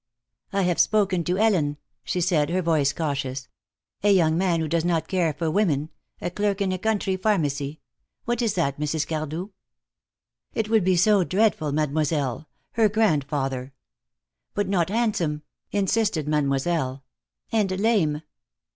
"I have spoken to Ellen," she said, her voice cautious. "A young man who does not care for women, a clerk in a country pharmacy. What is that, Mrs. Cardew?" "It would be so dreadful, Mademoiselle. Her grandfather " "But not handsome," insisted Mademoiselle, "and lame!